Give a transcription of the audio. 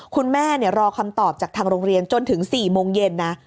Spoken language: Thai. รอคำตอบจากทางโรงเรียนจนถึง๔โมงเย็นนะ